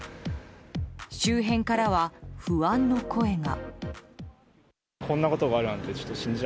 周辺からは不安の声が。